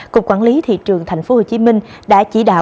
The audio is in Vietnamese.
cục quản lý thị trường tp hcm đã chỉ đạo